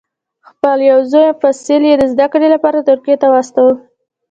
خپل یو زوی فیصل یې د زده کړې لپاره ترکیې ته واستاوه.